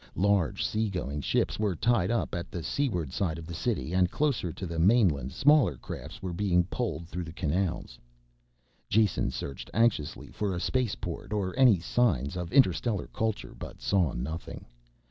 Large sea going ships were tied up at the seaward side of the city and closer to the mainland smaller craft were being poled through the canals. Jason searched anxiously for a spaceport or any signs of interstellar culture but saw nothing.